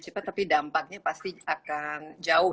cepat tapi dampaknya pasti akan jauh